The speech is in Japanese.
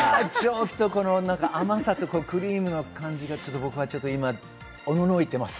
ちょっと甘さとクリームの感じが、ちょっと僕はおののいています。